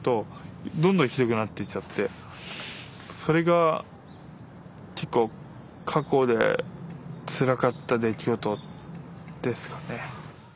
それが結構過去でつらかった出来事ですかね。